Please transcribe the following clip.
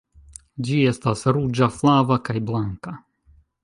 Ĝi estas ruĝa, flava, kaj blanka.